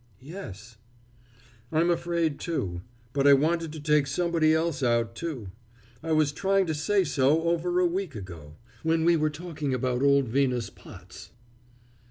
"Yes." "I'm afraid, too. But I wanted to take somebody else out, too. I was trying to say so over a week ago, when we were talking about old Venus Potts.